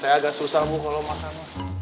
saya agak susah bu kalo makan bu